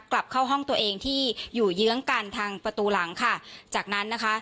กลับเข้าห้องตัวเองที่อยู่เยื้องกันทางประตูหลังค่ะจากนั้นนะคะ